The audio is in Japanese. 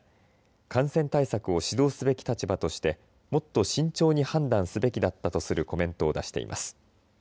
感染対策を指導すべき立場としてもっと慎重に判断すべきだったとするコメントを出しています。